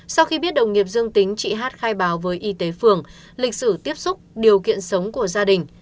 sau khi biết đồng nghiệp dương tính chị hát khai báo với y tế phường lịch sử tiếp xúc điều kiện sống của gia đình